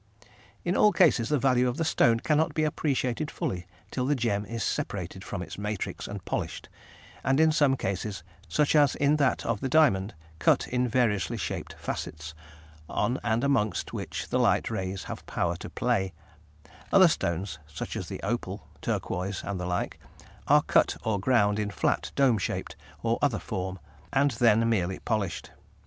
In all cases the value of the stone cannot be appreciated fully till the gem is separated from its matrix and polished, and in some cases, such as in that of the diamond, cut in variously shaped facets, on and amongst which the light rays have power to play; other stones, such as the opal, turquoise and the like, are cut or ground in flat, dome shaped, or other form, and then merely polished.